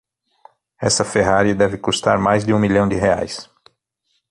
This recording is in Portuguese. Essa Ferrari deve custar mais de um milhão de reais.